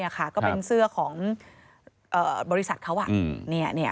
ก็เป็นเสื้อของบริษัทเขา